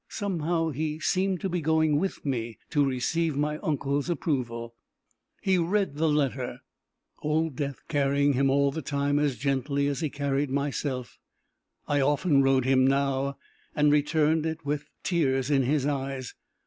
Somehow he seemed to be going with me to receive my uncle's approval. He read the letter, old Death carrying him all the time as gently as he carried myself I often rode him now and returned it with the tears in his eyes.